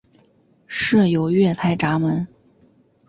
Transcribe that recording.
设有月台闸门。